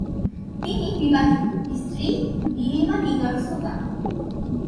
তিনি বিবাহিত, স্ত্রী নীলিমা নিগার সুলতানা।